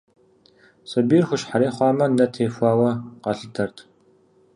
Сабийр хущхьэрей хъуамэ, нэ техуауэ къалъытэрт.